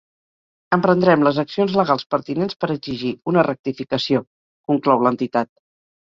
Emprendrem les accions legals pertinents per exigir una rectificació, conclou l’entitat.